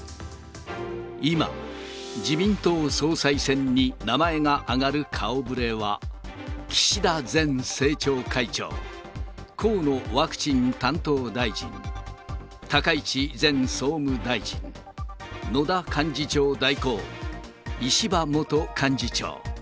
今、自民党総裁選に名前が挙がる顔ぶれは、岸田前政調会長、河野ワクチン担当大臣、高市前総務大臣、野田幹事長代行、石破元幹事長。